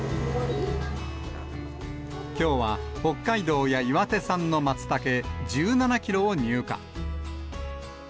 きょうは、北海道や岩手産のマツタケ１７キロを入荷。